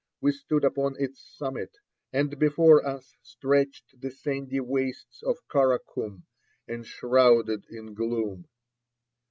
we stood upon its summit, and before us stretched the sandy wastes of Kara Kum, enshrouded in gloom.